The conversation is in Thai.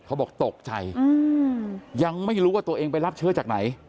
เขาบอกตกใจยังไม่รู้ว่าตัวเองไปรับเชื้อจากไหน